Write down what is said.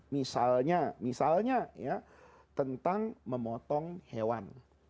misalnya misalnya ya tentang memotong hewan